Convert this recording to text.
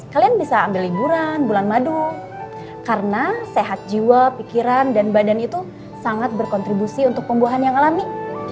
kalian bisa ambil liburan bulan madu karena sehat jiwa pikiran dan badan itu sangat berkontribusi untuk pembuahan yang alami